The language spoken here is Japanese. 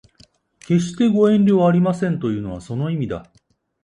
決してご遠慮はありませんというのはその意味だ